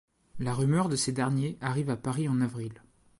La rumeur de ces derniers arrive à Paris en avril.